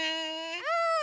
うん！